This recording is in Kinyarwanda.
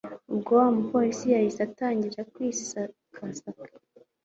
Ubwo wamupolise yahise atangira kwisakasaka